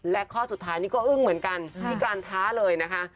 และข้อสุดท้ายนี้ก็อึ้งเหมือนกันมีการท้าเลยนะคะ